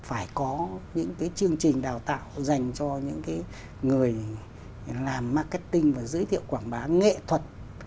phải có những cái chương trình đào tạo dành cho những người làm marketing và giới thiệu quảng bá nghệ thuật